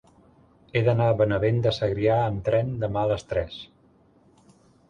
He d'anar a Benavent de Segrià amb tren demà a les tres.